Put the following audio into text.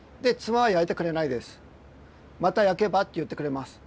「また焼けば」って言ってくれます。